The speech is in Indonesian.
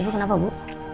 ibu kenapa bu